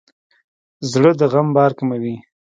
زړه د غم بار کموي.